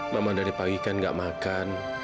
mama dari pagi kan gak makan